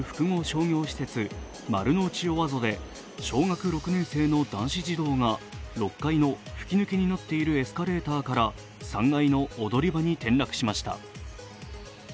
商業施設・丸の内オアゾで小学６年生の男子児童が６階の吹き抜けになっているエスカレーターから３階の踊り場に転落しました。